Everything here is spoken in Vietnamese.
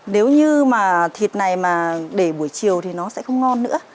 nếu như mà thịt này mà để buổi chiều thì nó sẽ không ngon nữa